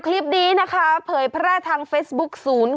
คลิปนี้นะคะเผยแพร่ทางเฟซบุ๊คศูนย์